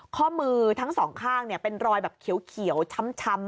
ข้อมือทั้งสองข้างเป็นรอยแบบเขียวช้ำ